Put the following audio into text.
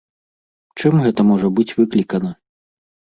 Чым гэта можа быць выклікана?